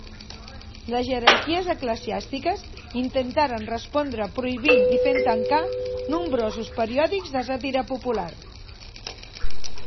Les jerarquies eclesiàstiques intentaren respondre prohibint i fent tancar nombrosos periòdics de sàtira popular.